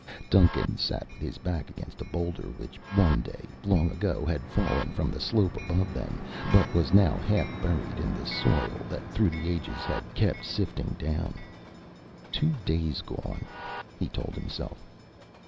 Duncan sat with his back against a boulder which one day, long ago, had fallen from the slope above them, but was now half buried in the soil that through the ages had kept sifting down. Two days gone, he told himself.